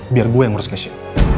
biar gue yang harus keisha